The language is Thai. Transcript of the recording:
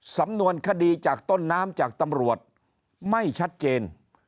สำนวนคดีจากต้นน้ำจากตำรวจไม่ชัดเจน